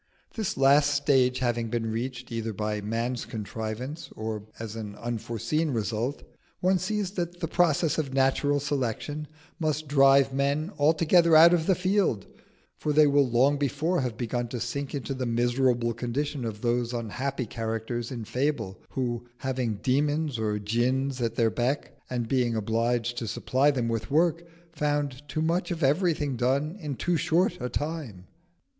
This last stage having been reached, either by man's contrivance or as an unforeseen result, one sees that the process of natural selection must drive men altogether out of the field; for they will long before have begun to sink into the miserable condition of those unhappy characters in fable who, having demons or djinns at their beck, and being obliged to supply them with work, found too much of everything done in too short a time.